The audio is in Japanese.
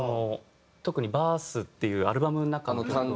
特に『ＢＩＲＴＨ』っていうアルバムの中の曲は。